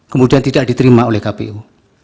kemudian tidak diterima oleh kpu